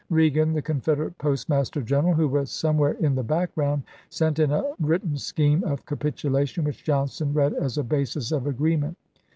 Reagan, the Confederate Postmaster General, who was some where in the background, sent in a written scheme of capitulation, which Johnston read as a basis of agreement.